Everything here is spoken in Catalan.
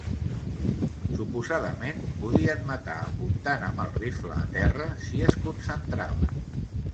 Suposadament, podien matar apuntant amb el rifle a terra si es concentraven.